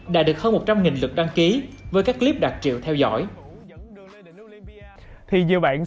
đã được hơn một trăm linh nghìn lượt đăng ký với các clip đạt triệu theo dõi